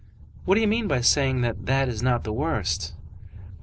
"What do you mean by saying that that is not the worst?"